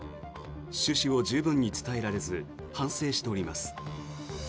趣旨を十分に伝えられず反省しております。